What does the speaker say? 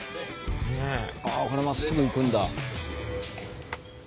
これまっすぐ行くんだ。